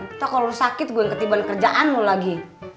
atau kalo lo sakit gue yang ketiba di kerjaan lo lagi